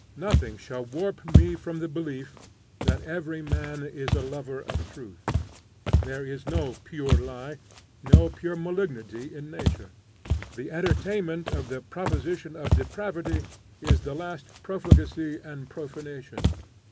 Nothing shall warp me from the belief that every man is a lover of truth. There is no pure lie, no pure malignity in nature. The entertainment of the proposition of depravity is the last profligacy and profanation.